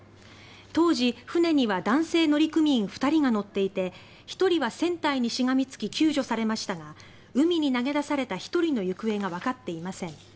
当時、船には男性乗組員２人が乗っていて１人は船体にしがみつき救助されましたが海に投げ出された１人の行方がわかっていません。